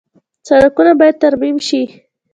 سړکونه باید ترمیم شي